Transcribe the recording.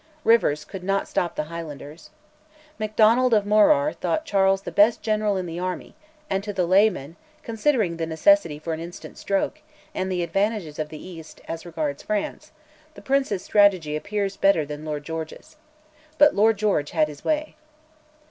Rivers could not stop the Highlanders. Macdonald of Morar thought Charles the best general in the army, and to the layman, considering the necessity for an instant stroke, and the advantages of the east, as regards France, the Prince's strategy appears better than Lord George's. But Lord George had his way.